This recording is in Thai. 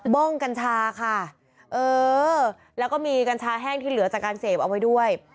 ้งกัญชาค่ะเออแล้วก็มีกัญชาแห้งที่เหลือจากการเสพเอาไว้ด้วย